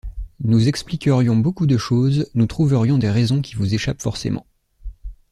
Nous expliquerions beaucoup de choses, nous trouverions des raisons qui vous échappent forcément...